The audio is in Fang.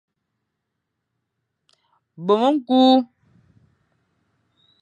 Mbom ñkul.